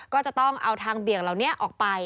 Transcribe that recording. ก็จะต้องเอาทางเบี่ยงเหล่านี้ออกไป